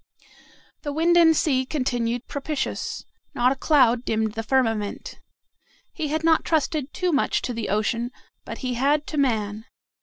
The wind and sea continued propitious. Not a cloud dimmed the firmament. He had not trusted too much to the ocean but he had to man.